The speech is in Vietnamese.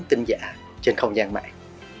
tin giả trên không gian mạng